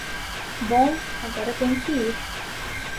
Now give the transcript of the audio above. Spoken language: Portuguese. Bom, agora tenho que ir.